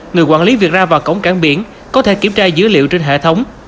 người quản lý việc ra vào cổng cảng biển có thể kiểm tra dữ liệu trên hệ thống